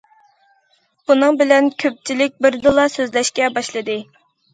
بۇنىڭ بىلەن كۆپچىلىك بىردىنلا سۆزلەشكە باشلىدى.